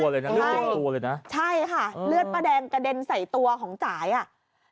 เขึ่งค้อนมาดูลือดป้าแดงกระเด็นใส่ตัวของจ่ายอ่ะ